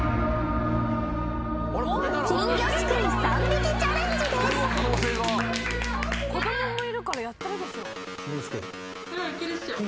３匹チャレンジです。